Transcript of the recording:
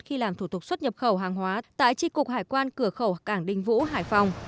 khi làm thủ tục xuất nhập khẩu hàng hóa tại tri cục hải quan cửa khẩu cảng đình vũ hải phòng